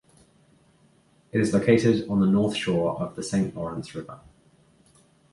It is located on the north shore of the Saint Lawrence River.